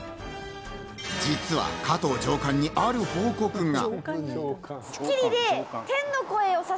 実は加藤上官にある報告が。